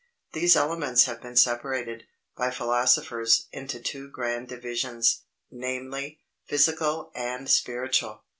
These elements have been separated, by philosophers, into two grand divisions, viz. "PHYSICAL AND SPIRITUAL."